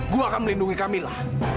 gue akan melindungi camilla